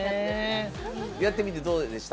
やってみてどうでした？